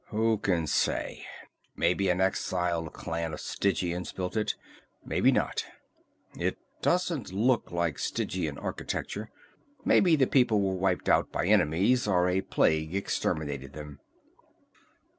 "Who can say? Maybe an exiled clan of Stygians built it. Maybe not. It doesn't look like Stygian architecture. Maybe the people were wiped out by enemies, or a plague exterminated them."